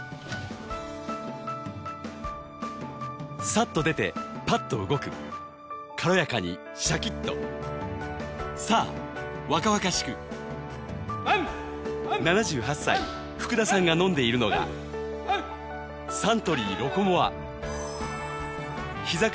さっと出てパッと動く軽やかにシャキッと７８歳福田さんが飲んでいるのがサントリー「ロコモア」ひざ